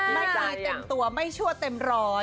ตายเต็มตัวไม่ชั่วเต็มร้อย